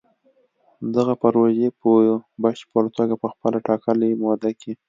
دغه پروژې به په پشپړه توګه په خپله ټاکلې موده کې